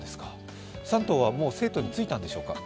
３頭はもう成都に着いたんでしょうか？